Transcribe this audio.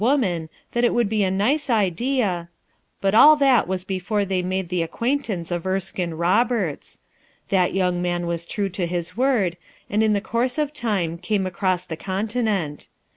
a "Oman that it would bo a race idi a — But all that was before they made the ac quaintance of Erskme Roberts Th*t man was true to his word, and in the course of time came across the continent.